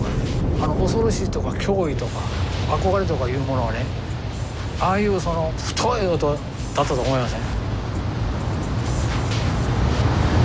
あの恐ろしいとか驚異とか憧れとかいうものはねああいうその太い音だったと思いません？